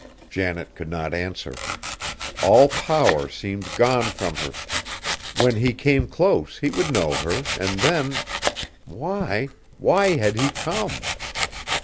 Janet could not answer. All power seemed gone from her. When he came close he would know her and then why, why had he come?